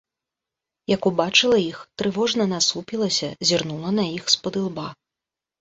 Як убачыла іх, трывожна насупілася, зірнула на іх спадылба.